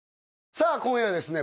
さあ今夜はですね